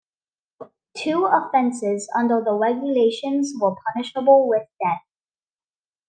Two offences under the regulations were punishable with death.